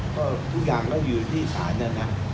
ก็ทุกอย่างก็อยู่ที่สารเนี่ยนะ